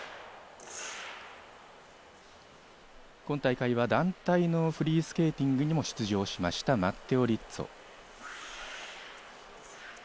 今大会は団体のフリースケーティングにも出場しました、マッテオ・リッツォ。